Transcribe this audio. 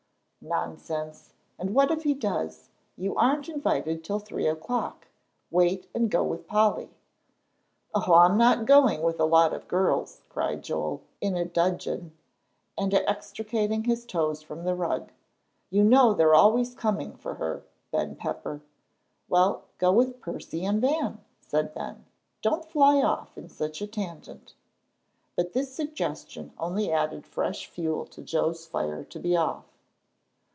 "Nonsense! And what if he does; you aren't invited till three o'clock. Wait and go with Polly." "Oh, I'm not going with a lot of girls," cried Joel, in a dudgeon, and extricating his toes from the rug. "You know they're always coming for her, Ben Pepper." "Well, go with Percy and Van," said Ben. "Don't fly off in such a tangent." But this suggestion only added fresh fuel to Joel's fire to be off.